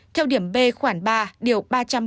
theo điểm b khoảng ba điều ba trăm bảy mươi năm